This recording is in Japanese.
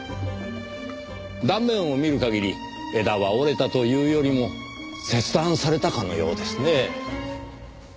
断面を見る限り枝は折れたというよりも切断されたかのようですね。